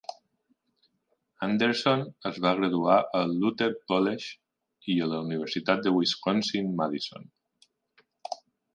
Anderson es va graduar al Luther College i a la Universitat de Wisconsin-Madison.